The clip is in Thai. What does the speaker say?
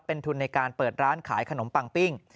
เป็นทุนในการเปิดร้านขายขนมปังปิ้ง